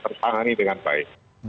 terpangani dengan baik